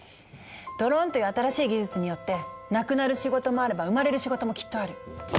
ドローンという新しい技術によってなくなる仕事もあれば生まれる仕事もきっとある。